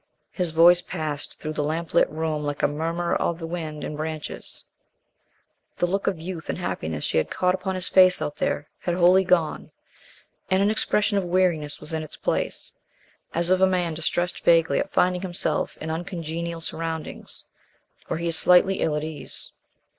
His voice passed through the lamp lit room like a murmur of the wind in branches. The look of youth and happiness she had caught upon his face out there had wholly gone, and an expression of weariness was in its place, as of a man distressed vaguely at finding himself in uncongenial surroundings where he is slightly ill at ease.